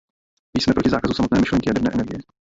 Jsme proti zákazu samotné myšlenky jaderné energie.